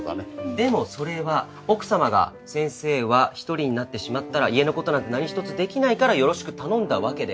でもそれは奥様が先生は一人になってしまったら家のことなんて何ひとつできないからよろしく頼んだわけで。